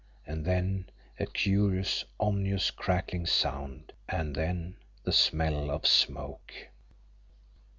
And then a curious, ominous crackling sound and then the smell of smoke.